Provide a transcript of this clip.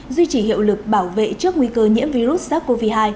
duy trì hiệu lực bảo vệ trước nguy cơ nhiễm virus sars cov hai